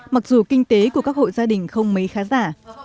mặc dù kinh tế của các hộ gia đình không mấy khá giả